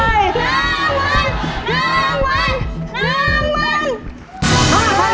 น้ำมน